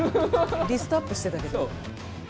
リストアップしてたけど。